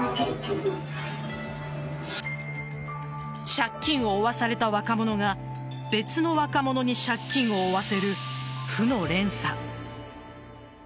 借金を負わされた若者が別の若者に借金を負わせる負の連鎖。